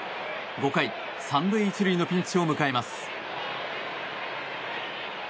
５回、３塁１塁のピンチを迎えます。